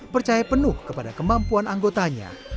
percaya penuh kepada kemampuan anggotanya